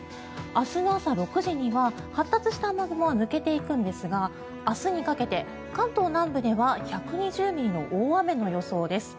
明日の朝６時には発達した雨雲は抜けていくんですが明日にかけて関東南部では１２０ミリの大雨の予想です。